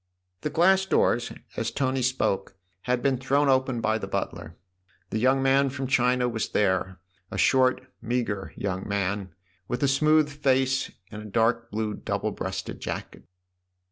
The glass doors, as Tony spoke, had been thrown open by the butler. The young man from China was there a short, meagre young man, with a smooth face and a dark blue double breasted jacket.